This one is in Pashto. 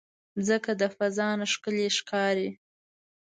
مځکه د فضا نه ښکلی ښکاري.